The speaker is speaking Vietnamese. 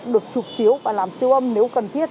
được chụp chiếu và làm siêu âm nếu cần thiết